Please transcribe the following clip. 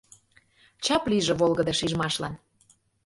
Чап лийже волгыдо шижмашлан!